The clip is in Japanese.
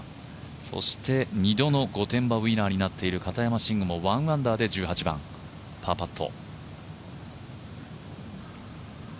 そして二度の御殿場ウィナーになっている片山晋呉も１アンダーでパーパット。